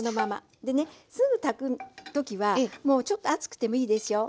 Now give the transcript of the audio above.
でねすぐ炊く時はちょっと熱くてもいいでしょ。